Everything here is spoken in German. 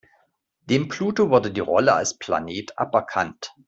Dem Pluto wurde die Rolle als Planet aberkannt.